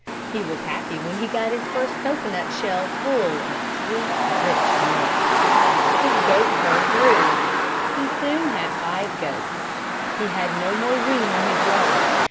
He was happy when he got his first cocoanut shell full of sweet rich milk. His goat herd grew. He soon had five goats. He had no more room in his yard.